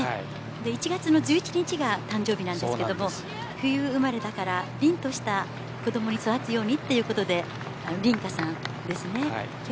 １月の１１日が誕生日なんですけども冬生まれだから凛とした子どもに育つようにということで凛香さんですね。